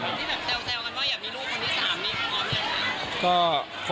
ที่แชลกกันว่าอยากมีลูกคนที่สามมีออมอย่างไร